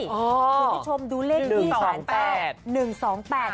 คุณผู้ชมดูเลขที่สารเจ้า๑๒๘